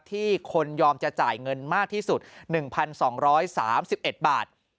ที่คนยอมจะจ่ายเงินมากที่สุด๑๒๓๑บาท